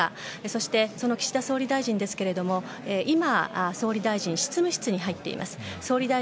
そして、その岸田総理大臣ですが今、総理大臣執務室に入っています。